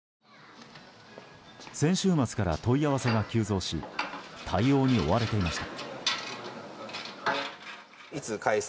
先週末から問い合わせが急増し対応に追われていました。